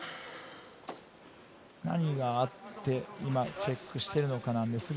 何があって今チェックしているのかですが、